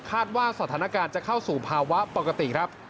ว่าสถานการณ์จะเข้าสู่ภาวะปกติครับ